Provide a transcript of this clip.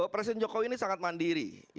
presiden jokowi ini sangat mandiri